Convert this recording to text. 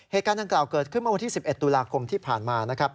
เหตุการณ์ดังกล่าวเกิดขึ้นเมื่อวันที่๑๑ตุลาคมที่ผ่านมานะครับ